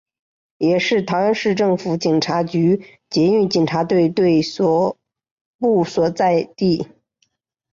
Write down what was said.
也是桃园市政府警察局捷运警察队队部所在地。